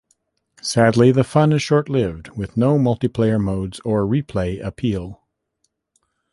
Sadly, the fun is short-lived, with no multi-player modes or replay appeal.